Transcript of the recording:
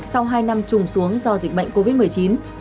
sau hai năm trùng xuống do dịch bệnh covid một mươi chín